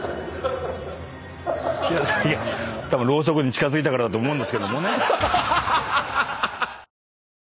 ろうそくに近づいたからだと思うんですけどもね。